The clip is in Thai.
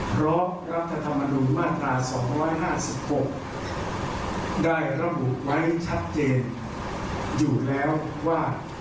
เพราะรัฐธรรมนูญมาตรา๒๕๖ได้ระบุไว้ชัดเจนอยู่แล้วว่า